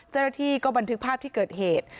เจรฐีก็บันทึกภาพที่เกิดเหตุ